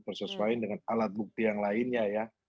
persesuaian dengan alat bukti yang lainnya ya